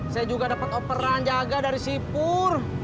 saya juga dapat operan jaga dari si pur